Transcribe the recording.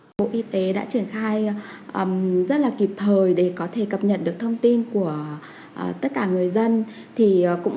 bộ y tế đã triển khai rất là kịp thời để có thể cập nhật được thông tin của tất cả người dân cũng